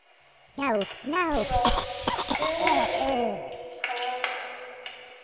白１２の一ハネ。